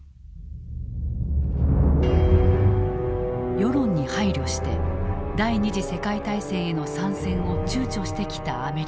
世論に配慮して第二次世界大戦への参戦をちゅうちょしてきたアメリカ。